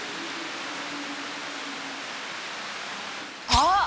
あっ！